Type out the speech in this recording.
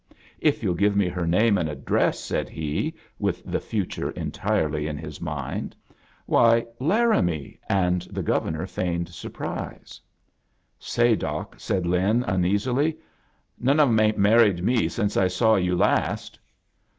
"If you'll give me her name and address." said he, with ^ ,^1 \ the future entirely in his mind. "Why, Laramie!" and the Governor feigned surprise. "Say, Doc," said Lin, uneasily, ' of 'em 'ain't married me since I saw you last."